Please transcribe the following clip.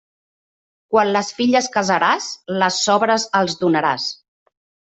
Quan les filles casaràs, les sobres els donaràs.